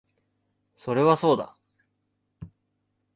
それはそうだ